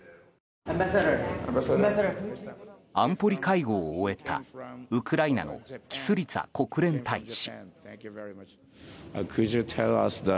安保理会合を終えたウクライナのキスリツァ国連大使。